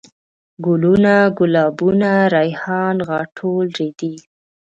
ګلوونه ،ګلابونه ،ريحان ،غاټول ،رېدی